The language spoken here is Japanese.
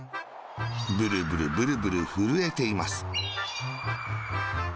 ブルブル、ブルブル、ふるえています。